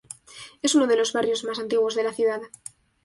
Es uno de los barrios más antiguos de la ciudad.